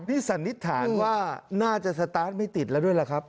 นี่สันนิษฐานว่าน่าจะสตาร์ทไม่ติดแล้วด้วยล่ะครับ